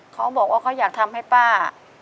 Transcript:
เขาบอกว่าเขาอยากทำให้ป้า